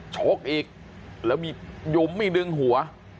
ชกอีกแล้วมีหยุมมีดึงหัว